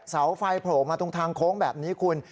เสาไฟโผล่มาตรงทางโค้งแบบนี้คุณ